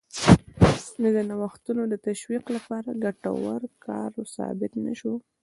نو دا د نوښتونو د تشویق لپاره ګټور کار ثابت نه شو